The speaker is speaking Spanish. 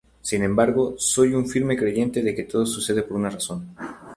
Sin embargo, soy un firme creyente de que todo sucede por una razón.